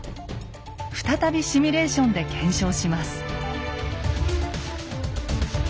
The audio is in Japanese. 再びシミュレーションで検証します。